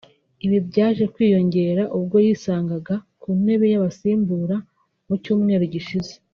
Ibi byaje kwiyongera ubwo yisangaga ku ntebe y’abasimbura mu cyumweru gishize